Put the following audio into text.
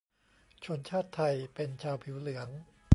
ชนชาติไทย เป็นชาวผิวเหลือง